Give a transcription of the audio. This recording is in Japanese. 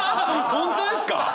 本当ですか！？